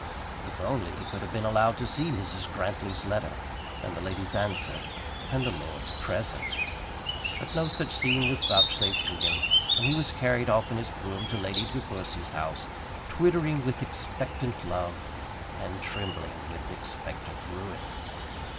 If only he could have been allowed to see Mrs. Grantly's letter, and the lady's answer, and the lord's present! But no such seeing was vouchsafed to him, and he was carried off in his brougham to Lady De Courcy's house, twittering with expectant love, and trembling with expectant ruin.